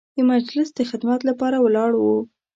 د مجلس د خدمت لپاره ولاړ وو.